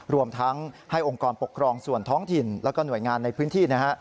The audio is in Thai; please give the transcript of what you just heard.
รวมทั้งให้องค์กรปกครองส่วนท้องถิ่นแล้วก็หน่วยงานในพื้นที่นะฮะ